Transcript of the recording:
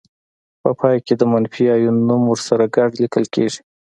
په پای کې د منفي آیون نوم ورسره ګډ لیکل کیږي.